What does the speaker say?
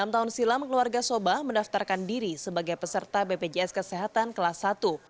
enam tahun silam keluarga soba mendaftarkan diri sebagai peserta bpjs kesehatan kelas satu